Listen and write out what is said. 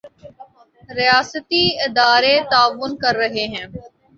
ریاستی ادارے تعاون کر رہے ہیں۔